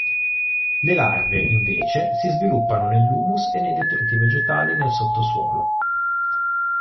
Le larve, invece, si sviluppano nell'humus e nei detriti vegetali nel sottosuolo.